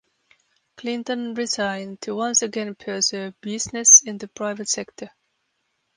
Clinton resigned to once again pursue business in the private sector.